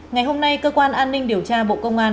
ngày hôm nay cơ quan an ninh điều tra bộ công an